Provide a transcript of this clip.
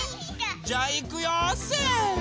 じゃいくよせの！